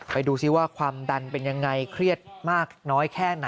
ไปดูซิว่าความดันเป็นยังไงเครียดมากน้อยแค่ไหน